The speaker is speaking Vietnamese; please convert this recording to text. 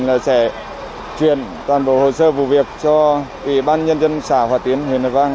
và chúng tôi sẽ truyền toàn bộ hồ sơ vụ việc cho ủy ban nhân dân xã hòa tiến huỳnh hà vang